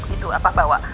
itu apa bawa